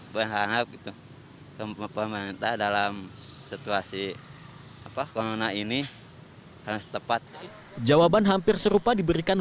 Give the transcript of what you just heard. berharap itu teman teman kita dalam situasi apa konon ini setepat jawaban hampir serupa diberikan